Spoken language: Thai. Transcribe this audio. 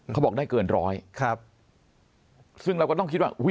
เขาบอกได้เกินร้อยครับซึ่งเราก็ต้องคิดว่าอุ้ย